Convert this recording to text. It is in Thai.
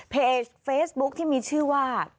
เพจเฟซบุ๊คที่มีชื่อว่า